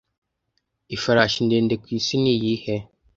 Ifarashi ndende ku isi niyihe